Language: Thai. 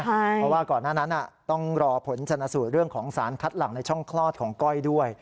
เพราะว่าก่อนหน้านั้นต้องรอผลชนะสูตรเรื่องของสารคัดหลังในช่องคลอดของก้อยด้วย